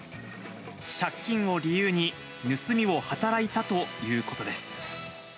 借金を理由に、盗みを働いたということです。